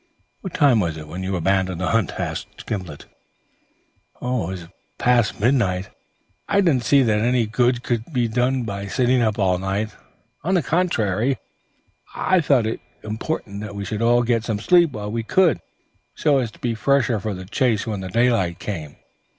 "What time was it when you abandoned the hunt?" asked Gimblet. "It was past midnight. I didn't see that any good could be done by sitting up all night. On the contrary, I thought it important that we should get some sleep while we could, so as to be fresher for the chase when daylight came.